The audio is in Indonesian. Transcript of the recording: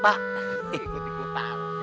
eh duit mau pak